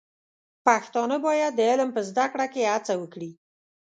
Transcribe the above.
پښتانه بايد د علم په زده کړه کې هڅه وکړي.